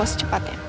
lo mau secepatnya